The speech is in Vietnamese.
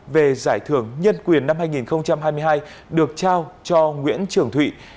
về giải thưởng nhân quyền năm hai nghìn hai mươi hai được trao cho nguyễn trường thụy